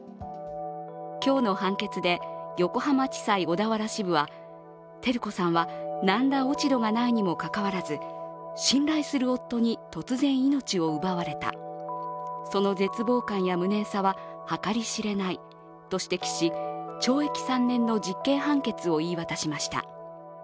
今日の判決で横浜地裁小田原支部は、照子さんはなんら落ち度がないにも関わらず信頼する夫に突然命を奪われた、その絶望感や無念さは計り知れないと指摘し、懲役３年の実刑判決を言い渡しました。